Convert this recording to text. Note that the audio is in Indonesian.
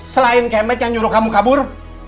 selain camat yang nyuruh kamu kabur